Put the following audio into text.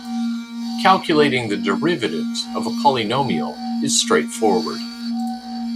Calculating the derivatives of a polynomial is straightforward.